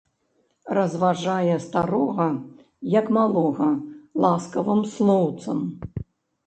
Разважае старога, як малога, ласкавым слоўцам.